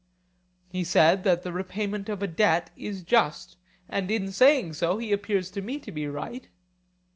He said that the repayment of a debt is just, and in saying so he appears to me to be right.